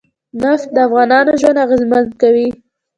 نفت د افغانانو ژوند اغېزمن کوي.